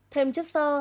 thêm chất sơ